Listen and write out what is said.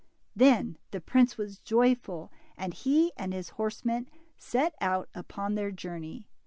Then the prince was joyful, and he and his horse men set out upon their journey.